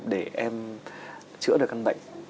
để em chữa được căn bệnh